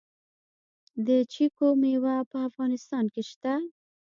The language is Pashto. د چیکو میوه په افغانستان کې شته؟